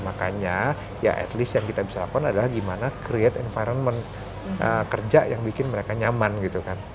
makanya ya at least yang kita bisa lakukan adalah gimana create environment kerja yang bikin mereka nyaman gitu kan